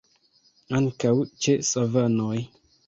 Ankaŭ ĉe savanoj.